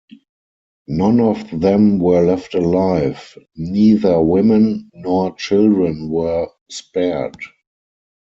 None of them were left alive; neither women nor children were spared.